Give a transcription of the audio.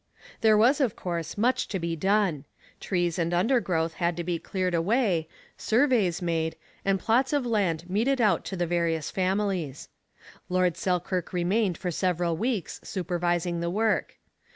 There was, of course, much to be done. Trees and undergrowth had to be cleared away, surveys made, and plots of land meted out to the various families. Lord Selkirk remained for several weeks supervising the work.